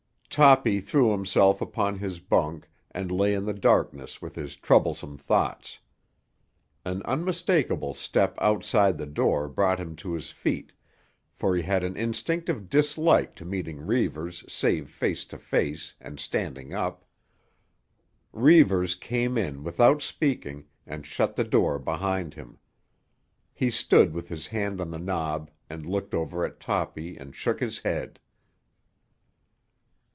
Toppy threw himself upon his bunk and lay in the darkness with his troublesome thoughts. An unmistakable step outside the door brought him to his feet, for he had an instinctive dislike to meeting Reivers save face to face and standing up. Reivers came in without speaking and shut the door behind him. He stood with his hand on the knob and looked over at Toppy and shook his head.